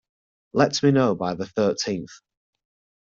Let me know by the thirteenth.